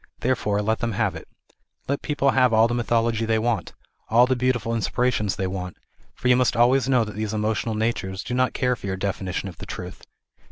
Therefore let them have it. Let people have all the mythology they want, all the beautiful inspi rations they want, for you must always know that these emotional natures do not care for your definition of the truth.